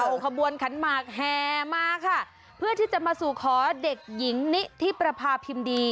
เอาขบวนขันหมากแห่มาค่ะเพื่อที่จะมาสู่ขอเด็กหญิงนิธิประพาพิมพ์ดี